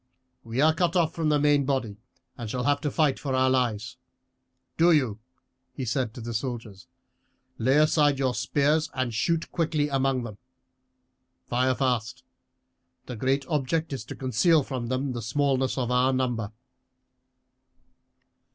We are cut off from the main body and shall have to fight for our lives. Do you," he said to the soldiers, "lay aside your spears and shoot quickly among them. Fire fast. The great object is to conceal from them the smallness of our number."